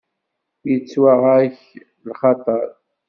Yettwaɣ-ak lxaṭer?